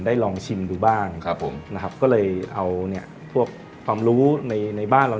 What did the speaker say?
ได้ลองชิมดูบ้างนะครับก็เลยเอาพวกความรู้ในบ้านเรา